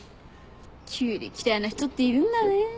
キュウリ嫌いな人っているんだねぇ。